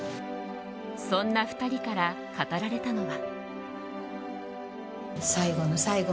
そんな２人から語られたのは。